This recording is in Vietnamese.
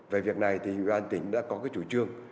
về việc này thì ủy ban tỉnh đã có cái chủ trương